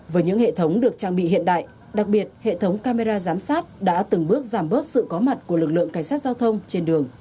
với những hệ thống được trang bị hiện đại đặc biệt hệ thống camera giám sát đã từng bước giảm bớt sự có mặt của lực lượng cảnh sát giao thông trên đường